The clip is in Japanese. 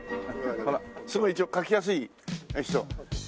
ほらすごい一応描きやすい人。